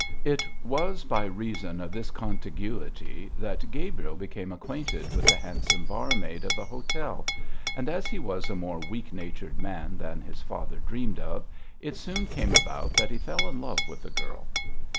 It was by reason of this contiguity that Gabriel became acquainted with the handsome barmaid of the hotel, and as he was a more weak natured man than his father dreamed of, it soon came about that he fell in love with the girl.